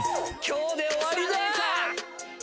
今日で終わりだー！